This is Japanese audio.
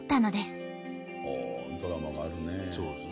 ドラマがあるね。